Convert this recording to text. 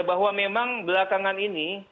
bahwa memang belakangan ini